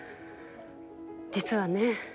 実はね